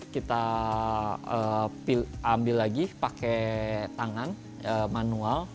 kita ambil lagi pakai tangan manual